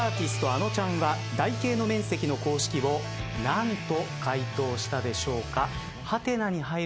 あのちゃんは台形の面積の公式を何と解答したでしょうか？